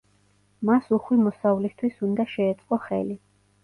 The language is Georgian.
მას უხვი მოსავლისთვის უნდა შეეწყო ხელი.